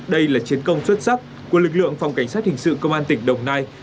đây là chiến công xuất sắc của lực lượng phòng cảnh sát hình sự công an tỉnh đồng nai